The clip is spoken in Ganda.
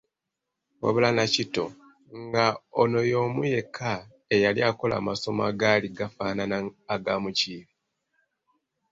Wabula Nakitto, nga ono y’omu yekka eyali akola amasomo agaali gafaanana aga Mukiibi.